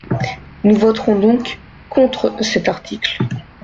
Nous voterons donc contre cet article.